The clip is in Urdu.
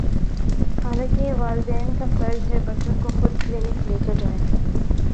حالانکہ یہ والدین کافرض ہے بچوں کو خودکلینک لےکرجائیں۔